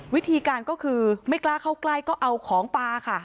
วิธีการก็คือไม่กล้าเข้าใกล้ก็เอาของปลาค่ะ